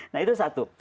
nah itu satu